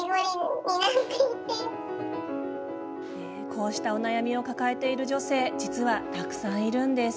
こうしたお悩みを抱えている女性実は、たくさんいるんです。